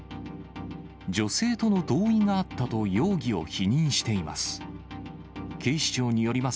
女性との同意があったと、容疑を否認しています。